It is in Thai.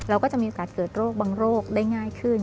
ก็จะมีโอกาสเกิดโรคบางโรคได้ง่ายขึ้น